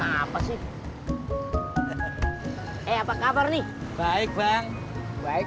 apa sih eh apa kabar nih baik bang baik